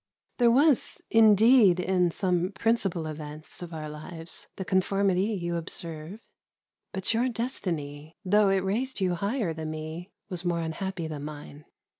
There was indeed in some principal events of our lives the conformity you observe. But your destiny, though it raised you higher than me, was more unhappy than mine.